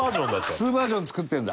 ２バージョン作ってるんだ。